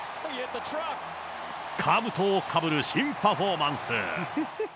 かぶとをかぶる新パフォーマンス。